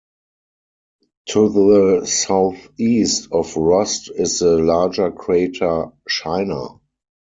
To the southeast of Rost is the larger crater Scheiner.